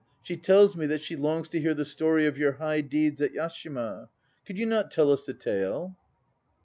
She tells me that she longs to hear the story of your high deeds at Yashima. Could you not tell us the tale?